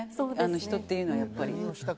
人っていうのはやっぱり。